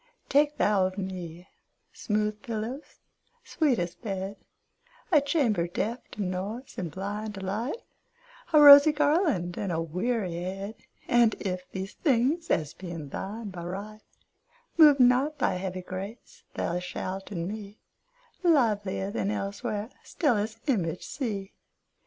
Take thou of me smooth pillows, sweetest bed,A chamber deaf to noise and blind to light,A rosy garland and a weary head:And if these things, as being thine by right, Move not thy heavy grace, thou shalt in me, Livelier than elsewhere, Stella's image see.